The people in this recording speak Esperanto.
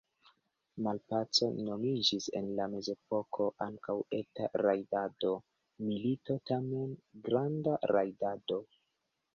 Malpaco nomiĝis en la mezepoko ankaŭ „eta rajdado“, milito tamen „granda rajdado“.